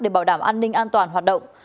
để bảo đảm an ninh an toàn hoạt động